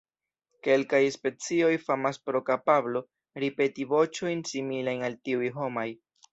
Kelkaj specioj famas pro kapablo ripeti voĉojn similajn al tiuj homaj.